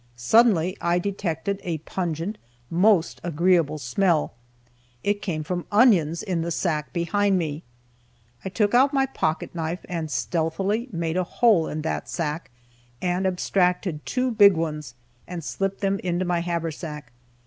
Suddenly I detected a pungent, most agreeable smell. It came from onions, in the sack behind me. I took out my pocket knife and stealthily made a hole in that sack, and abstracted two big ones and slipped them into my haversack.